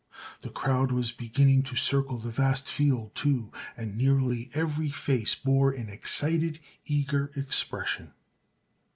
The crowd was beginning to circle the vast field, too, and nearly every face bore an excited, eager expression.